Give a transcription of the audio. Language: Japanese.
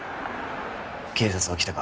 警察は来たか？